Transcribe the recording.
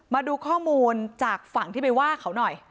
มาดูข้อมูลจากฝั่งที่ไปว่าเขาหน่อย